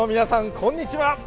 こんにちは。